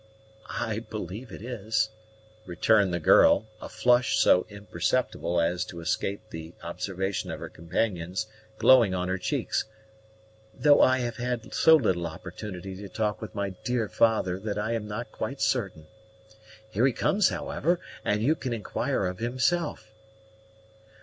"I believe it is," returned the girl, a flush so imperceptible as to escape the observation of her companions glowing on her cheeks; "though I have had so little opportunity to talk with my dear father that I am not quite certain. Here he comes, however, and you can inquire of himself."